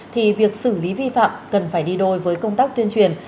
thì việc xử lý vi phạm cần phải đi đôi với công tác tuyên truyền